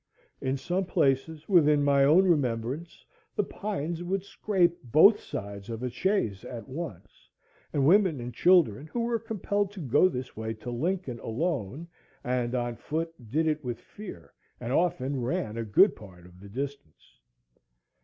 In some places, within my own remembrance, the pines would scrape both sides of a chaise at once, and women and children who were compelled to go this way to Lincoln alone and on foot did it with fear, and often ran a good part of the distance.